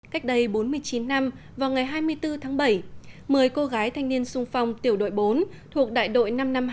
cách đây bốn mươi chín năm vào ngày hai mươi bốn tháng bảy một mươi cô gái thanh niên sung phong tiểu đội bốn thuộc đại đội năm trăm năm mươi hai